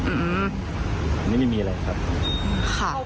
ไม่มีอะไรครับ